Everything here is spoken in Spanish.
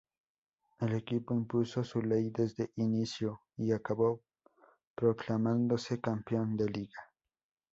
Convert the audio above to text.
El equipo impuso su ley desde inicio y acabó proclamándose campeón de Liga.